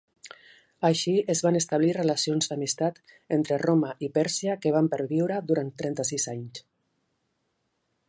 Així es van establir relacions d'amistat entre Roma i Pèrsia que van perviure durant trenta-sis anys.